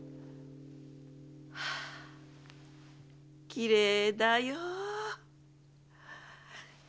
きれいだよ。